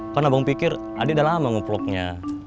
kan abang pikir adi udah lama ngevlognya